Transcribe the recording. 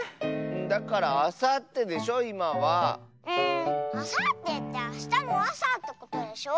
だからあさってでしょいまは。あさってってあしたのあさってことでしょ？